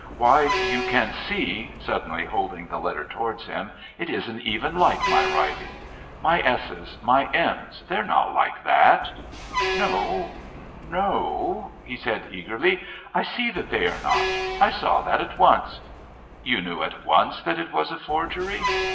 Why you can see," suddenly holding the letter towards him, "it isn't even like my writing. My s's, my m's they're not like that " "No, no," he said eagerly. "I see that they are not. I saw that at once." "You knew at once that it was a forgery?"